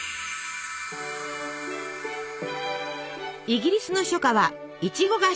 イギリスの初夏はいちごが旬！